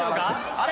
あれ？